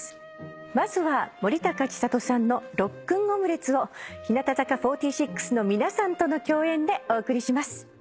まずは森高千里さんの『ロックン・オムレツ』を日向坂４６の皆さんとの共演でお送りします。